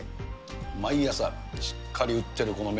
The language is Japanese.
毎朝、しっかり打ってるこの麺。